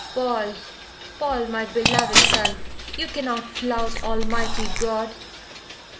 Paul, Paul, my beloved son you cannot flout Almighty God."